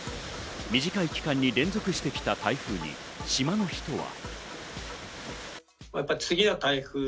短い期間に連続して起きた台風に、島の人は。